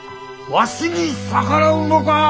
わしに逆らうのか！